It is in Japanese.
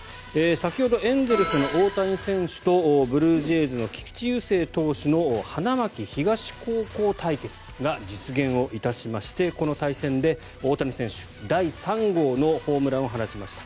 先ほど、エンゼルスの大谷選手とブルージェイズの菊池雄星投手の花巻東高校対決が実現いたしましてこの対戦で大谷選手第３号のホームランを放ちました。